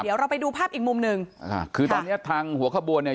เดี๋ยวเราไปดูภาพอีกมุมหนึ่งอ่าคือตอนเนี้ยทางหัวขบวนเนี่ย